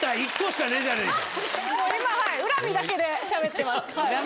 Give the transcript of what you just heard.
恨みだけでしゃべってます。